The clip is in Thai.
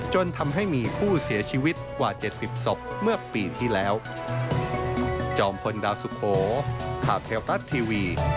จนทำให้มีผู้เสียชีวิตกว่า๗๐ศพเมื่อปีที่แล้ว